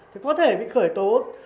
thì có thể bị khởi tố